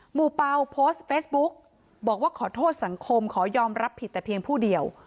เป่าโพสต์เฟซบุ๊กบอกว่าขอโทษสังคมขอยอมรับผิดแต่เพียงผู้เดียว